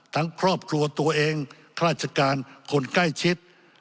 ทั้งครอบครัวตัวเองฆาติการคนใกล้ชิด